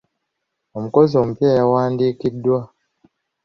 Omukozi omupya yawandiikiddwa.